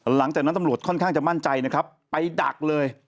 หลังจากนั้นตำรวจค่อนข้างจะมั่นใจนะครับไปดักเลย